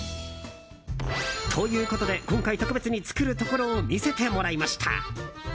ということで、今回特別に作るところを見せてもらいました。